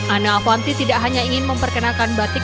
ana avanti tidak hanya ingin memperkenalkan batik